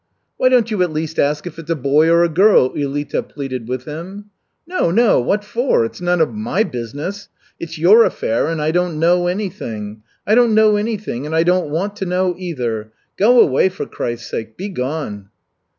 "Why don't you at least ask if it's a boy or a girl?" Ulita pleaded with him. "No, no! What for? It's none of my business. It's your affair, and I don't know anything. I don't know anything, and I don't want to know either. Go away, for Christ's sake, be gone!"